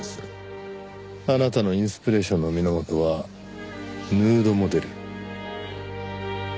あなたのインスピレーションの源はヌードモデル。